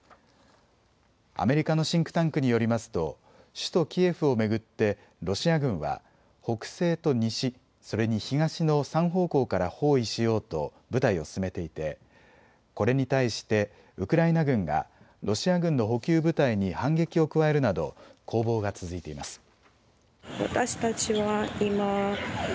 アメリカのシンクタンクによりますと首都キエフを巡ってロシア軍は北西と西、それに東の３方向から包囲しようと部隊を進めていてこれに対してウクライナ軍がロシア軍の補給部隊に反撃を加えるなど攻防が続いています。